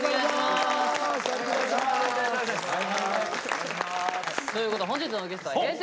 お願いします！ということで本日のゲストはＨｅｙ！